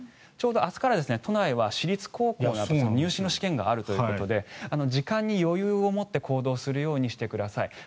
ちょうど明日から都内は私立高校の入試の試験があるということで時間に余裕を持って行動するようにしてください。